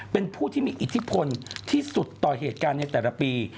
เป็นผู้ที่มีอิทธิพลที่สุดต่อเหตุการณ์ในแต่ละปี